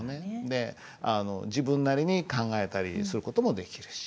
であの自分なりに考えたりする事もできるし。